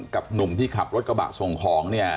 กับหนุ่มที่ขับรถกระบะส่งของเนี่ย